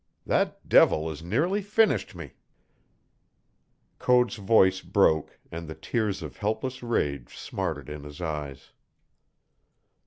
That devil has nearly finished me!" Code's voice broke, and the tears of helpless rage smarted in his eyes.